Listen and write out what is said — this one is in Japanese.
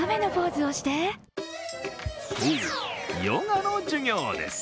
そう、ヨガの授業です。